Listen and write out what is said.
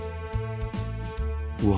うわ。